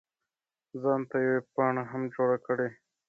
ځان ته یې ویبپاڼه هم جوړه کړې.